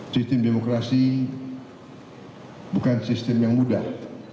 sistem demokrasi bukan sistem yang mudah